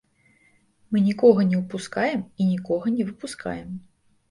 Мы нікога не ўпускаем і нікога не выпускаем.